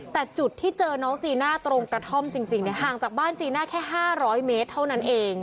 แต่จุดที่เจอน้องจีน่าตรงกระท่อมจริงห่างจากบ้านจีน่าแค่๕๐๐เมตรเท่านั้นเอง